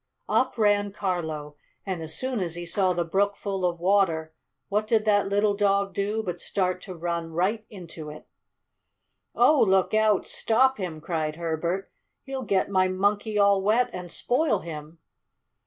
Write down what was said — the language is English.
Up ran Carlo; and as soon as he saw the brook full of water what did that little dog do but start to run right into it! "Oh, look out! Stop him!" cried Herbert. "He'll get my Monkey all wet and spoil him!"